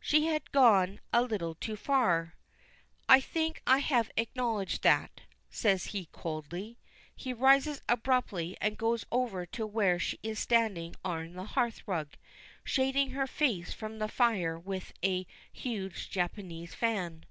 She has gone a little too far. "I think I have acknowledged that," says he, coldly. He rises abruptly and goes over to where she is standing on the hearthrug shading her face from the fire with a huge Japanese fan.